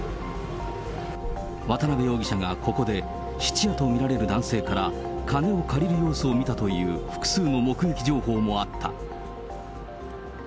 渡辺容疑者がここで、質屋と見られる男性から金を借りる様子を見たという複数の目撃情報もあった。